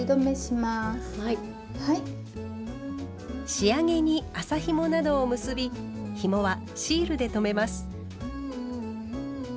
仕上げに麻ひもなどを結びひもはシールで留めます。